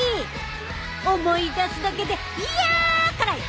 思い出すだけでヒャ辛い！